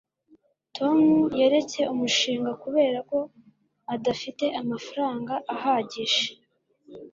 tom yaretse umushinga kubera ko adafite amafaranga ahagije